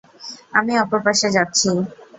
আমি অপর পাশে যাচ্ছি।